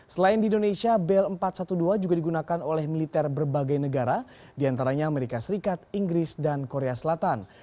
selain di indonesia bel empat ratus dua belas juga digunakan oleh militer berbagai negara diantaranya amerika serikat inggris dan korea selatan